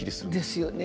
ですよね。